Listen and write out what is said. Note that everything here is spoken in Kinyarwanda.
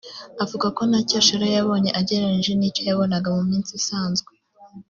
avuga ko nta cyashara yabonye agereranyije n’icyo yabonaga mu minsi isanzwe